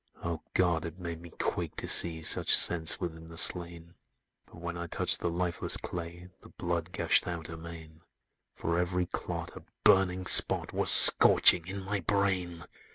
"O God! it made me quake to see Such sense within the slain! But when I touched the lifeless clay, The blood gushed out amain! For every clot, a burning spot Was scorching in my brain!